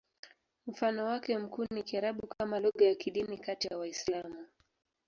Mfano wake mkuu ni Kiarabu kama lugha ya kidini kati ya Waislamu.